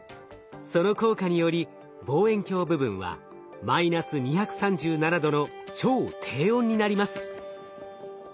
その効果により望遠鏡部分はマイナス２３７℃の超低温になります。